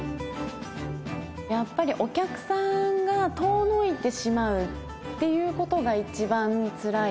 やっぱりお客さんが遠のいてしまうっていうことが一番つらい。